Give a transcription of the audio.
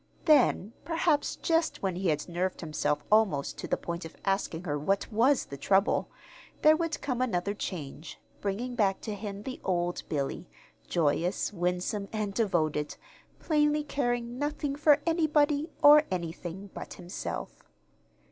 Then, perhaps, just when he had nerved himself almost to the point of asking her what was the trouble, there would come another change, bringing back to him the old Billy, joyous, winsome, and devoted, plainly caring nothing for anybody or anything but himself.